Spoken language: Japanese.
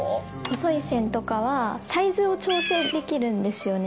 細い線とかはサイズを調整できるんですよね。